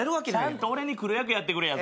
ちゃんと俺に来る役やってくれや。